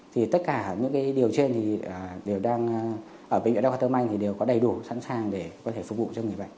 thì tất cả những điều trên thì đều đang ở bệnh viện đắc hoa tơ manh đều có đầy đủ sẵn sàng để có thể phục vụ cho người bệnh